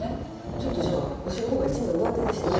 ちょっとじゃあわしの方が一枚うわてでしたかね？